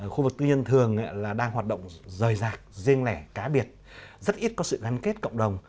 khu vực tư nhân thường đang hoạt động rời rạc riêng lẻ cá biệt rất ít có sự gắn kết cộng đồng